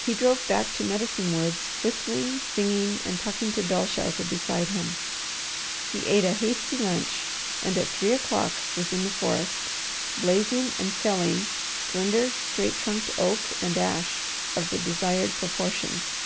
He drove back to Medicine Woods whistling, singing, and talking to Belshazzar beside him. He ate a hasty lunch and at three o'clock was in the forest, blazing and felling slender, straight trunked oak and ash of the desired proportions.